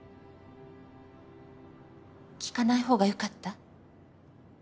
聞かない方がよかった？